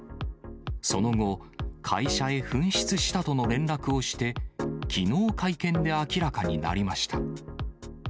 その後、会社へ紛失したとの連絡をして、きのう、会見で明らかになりました。